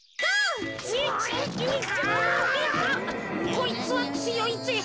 こいつはつよいぜ。